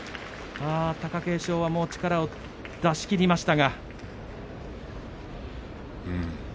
貴景勝、力を出し切りました。